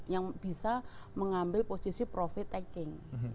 yang bisa mengambil posisi profit taking